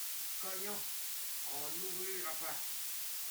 Cognons ! On n'ouvrira pas.